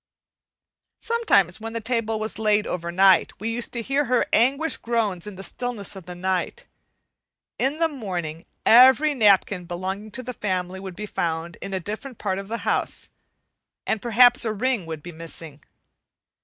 Sometimes, when the table was laid over night, we used to hear her anguished groans in the stillness of the night. In the morning every napkin belonging to the family would be found in a different part of the house, and perhaps a ring would be missing.